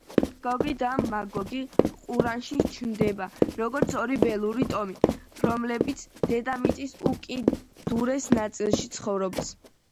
გოგი და მაგოგი ყურანში ჩნდება როგორც ორი ველური ტომი, რომლებიც „დედამიწის უკიდურეს ნაწილში“ ცხოვრობს.